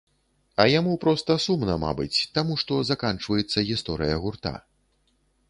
А яму проста сумна, мабыць, таму, што заканчваецца гісторыя гурта.